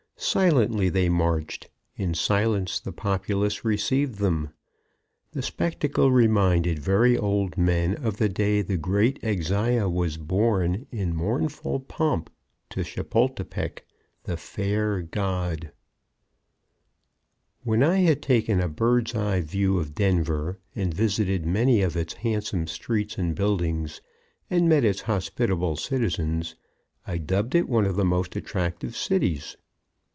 Silently they marched, in silence the populace received them. The spectacle reminded very old men of the day the great Axaya was born in mournful pomp to Chapultepec. The Fair God. When I had taken a bird's eye view of Denver, and visited many of its handsome streets and buildings, and met its hospitable citizens, I dubbed it one of the most attractive cities.